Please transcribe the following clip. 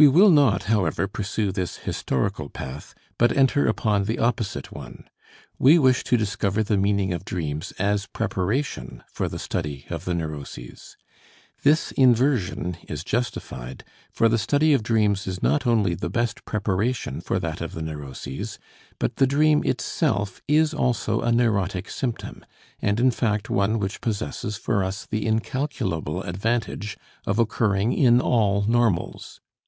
We will not, however, pursue this historical path, but enter upon the opposite one. We wish to discover the meaning of dreams as preparation for the study of the neuroses. This inversion is justified, for the study of dreams is not only the best preparation for that of the neuroses, but the dream itself is also a neurotic symptom, and in fact one which possesses for us the incalculable advantage of occurring in all normals.